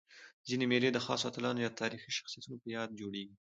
ځيني مېلې د خاصو اتلانو یا تاریخي شخصیتونو په یاد جوړيږي.